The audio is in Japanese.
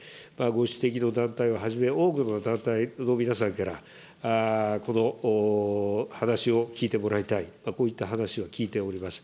ご指摘の団体をはじめ、多くの団体の皆さんから、この話を聞いてもらいたい、こういった話を聞いております。